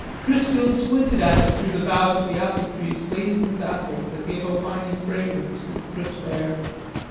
Chrisfield squinted at it through the boughs of the apple trees laden with apples that gave a winey fragrance to the crisp air.